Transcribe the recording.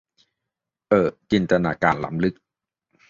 เอ่อ จินตนาการล้ำลึก